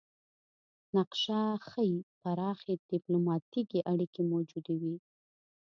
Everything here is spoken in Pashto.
نقشه ښيي پراخې ډیپلوماتیکې اړیکې موجودې وې